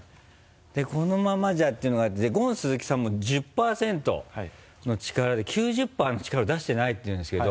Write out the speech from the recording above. このままじゃっていうのがあってゴン鈴木さんも１０％の力で９０％の力を出してないっていうんですけど。